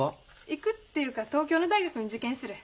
行くっていうか東京の大学受験する。